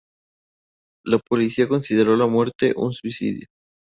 La policía consideró la muerte un suicidio.